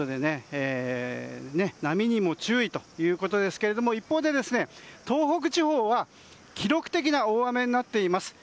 波にも注意ということですけれども一方で東北地方は記録的な大雨になっています。